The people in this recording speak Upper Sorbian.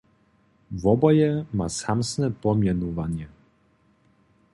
Woboje ma samsne pomjenowanje.